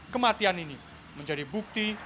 kematian ini menjadi bukti